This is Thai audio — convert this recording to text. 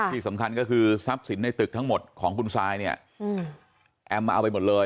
ที่สำคัญก็คือทรัพย์สินในตึกทั้งหมดของคุณซายเนี่ยแอมมาเอาไปหมดเลย